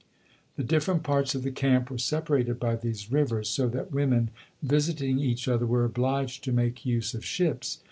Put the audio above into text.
The different parts of the camp were separated by these rivers, so that women, visiting each other, were obliged to make use of ships.